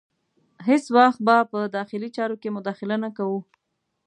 هیڅ وخت به په داخلي چارو کې مداخله نه کوو.